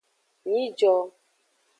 Nyijo.